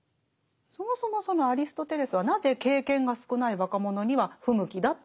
そもそもそのアリストテレスはなぜ経験が少ない若者には不向きだって言ってるんですか？